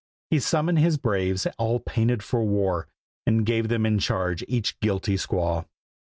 He summoned his braves, all painted for war, And gave them in charge each guilty squaw.